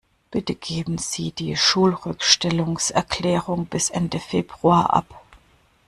Bitte geben Sie die Schulrückstellungserklärung bis Ende Februar ab.